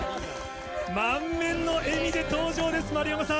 満面の笑みで登場です、丸山さん。